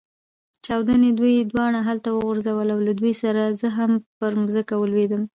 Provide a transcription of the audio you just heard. چاودنې دوی دواړه هلته وغورځول، له دوی سره زه هم پر مځکه ولوېدم.